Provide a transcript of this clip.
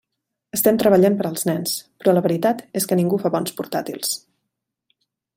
Estem treballant per als nens, però la veritat és que ningú fa bons portàtils.